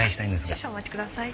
少々お待ちください。